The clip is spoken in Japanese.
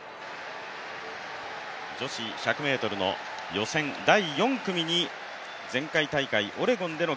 女子１００ｍの予選第４組に前回大会オレゴンでの